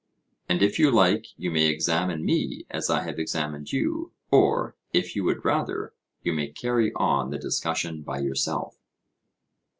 And if you like you may examine me as I have examined you, or, if you would rather, you may carry on the discussion by yourself.